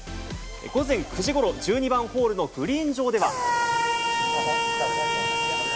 午前９時ごろ、１２番ホールのグリーン上では。